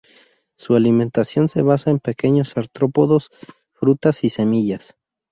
Su alimentación de basa en pequeños artrópodos, frutas y semillas.